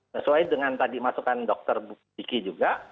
sesuai dengan tadi masukan dr bukti ki juga